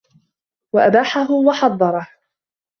وَأَبَاحَهُ وَحَظَرَهُ